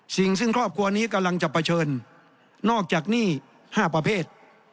สิ่งซึ่งครอบครัวนี้กำลังจะเผชิญนอกจากหนี้๕ประเภท